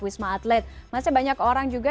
wisma atlet masih banyak orang juga